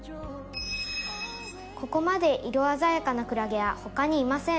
「ここまで色鮮やかなクラゲは他にいません」